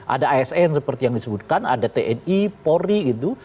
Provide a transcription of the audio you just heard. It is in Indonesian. ada asn seperti yang disebutkan ada tni polri gitu